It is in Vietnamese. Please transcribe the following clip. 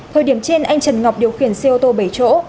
thời điểm trên anh trần ngọc điều khiển xe ô tô bảy chỗ